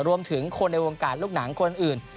รวมถึงคนในวงการลูกหนังคนอื่น